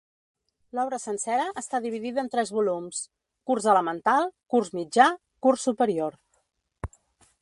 L'obra sencera està dividida en tres volums: curs elemental, curs mitjà, curs superior.